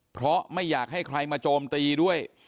เพราะไม่อยากให้ใครมาโจมตีด้วย